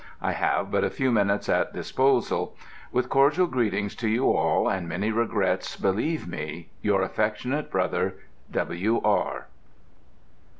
I have but a few minutes at disposal. With cordial greetings to you all, and many regrets, believe me, your affectionate Bro., W. R.